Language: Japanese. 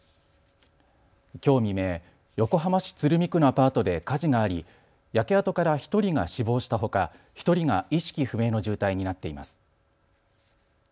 きょう未明、横浜市鶴見区のアパートで火事があり焼け跡から１人が死亡したほか１人が意識不明の重体になっています。